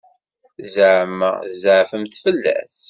Ẓeɛma tzeɛfemt fell-as?